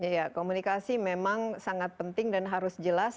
ya komunikasi memang sangat penting dan harus jelas